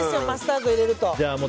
マスタード入れると。